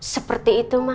seperti itu mbak